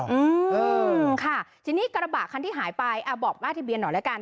อืมค่ะทีนี้กระบะคันที่หายไปอ่าบอกป้ายทะเบียนหน่อยแล้วกัน